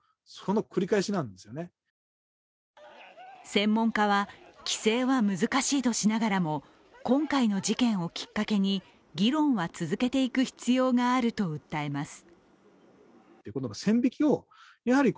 専門家は、規制は難しいとしながらも今回の事件をきっかけに議論は続けていく必要があると訴えます。